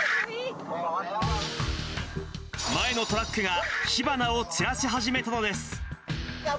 前のトラックが火花を散らし始めたのです。